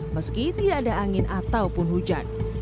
meski tidak ada angin ataupun hujan